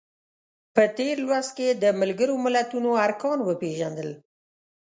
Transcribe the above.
په تېر لوست کې د ملګرو ملتونو ارکان وپیژندل.